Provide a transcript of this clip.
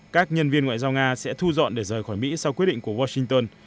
các nhân viên ngoại giao nga sẽ thu dọn để rời khỏi mỹ sau quyết định của washington